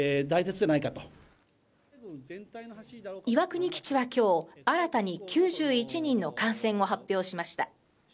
岩国基地は今日新たに９１人の感染を発表しました。